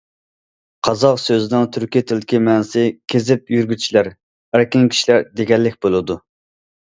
« قازاق» سۆزىنىڭ تۈركىي تىلدىكى مەنىسى« كېزىپ يۈرگۈچىلەر»،« ئەركىن كىشىلەر» دېگەنلىك بولىدۇ.